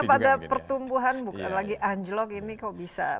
di mana mana pada pertumbuhan lagi anjlok ini kok bisa